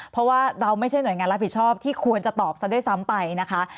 เพราะว่าเราไม่ใช่หน่วยงานรับผิดชอบที่ควรจะตอบซะด้วยซ้ำไปนะคะ